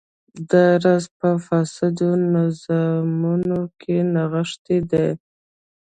دا راز په فاسدو نظامونو کې نغښتی دی.